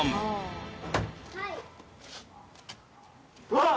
わっ！